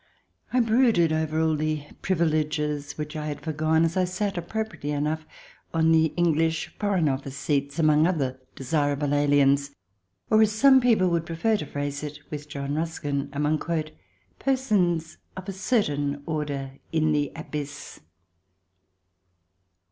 I brooded over all the privileges which I had foregone as I sat, appropriately enough, on the CH. i] HOW ONE BECOMES AN ALIEN 3 English Foreign Office seats, among other desirable aliens, or, as some people would prefer to phrase it, with John Ruskin, among " persons of a certain order in the abyss."